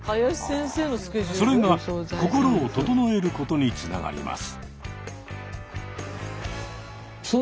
それが心を整えることにつながります。